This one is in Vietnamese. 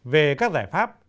về các giải pháp